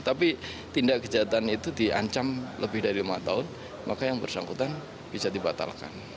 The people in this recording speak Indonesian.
tapi tindak kejahatan itu diancam lebih dari lima tahun maka yang bersangkutan bisa dibatalkan